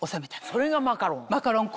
それがマカロン？